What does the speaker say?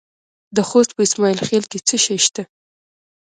د خوست په اسماعیل خیل کې څه شی شته؟